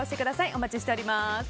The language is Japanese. お待ちしております。